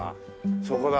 そこだ。